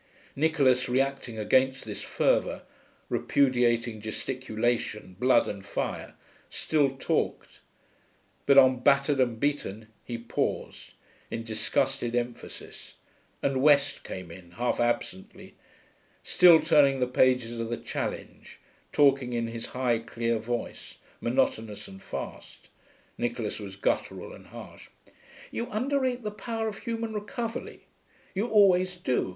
Nicholas, reacting against this fervour, repudiating gesticulation, blood and fire, still talked.... But on 'battered and beaten' he paused, in disgusted emphasis, and West came in, half absently, still turning the pages of the Challenge, talking in his high, clear voice, monotonous and fast (Nicholas was guttural and harsh). 'You underrate the power of human recovery. You always do.